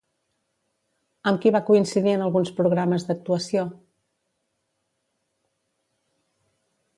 Amb qui va coincidir en alguns programes d'actuació?